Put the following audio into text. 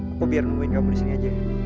aku biar nungguin kamu di sini aja